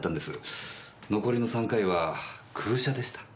残りの３回は空車でした。